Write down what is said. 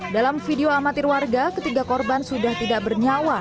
dalam video amatir warga ketiga korban sudah tidak bernyawa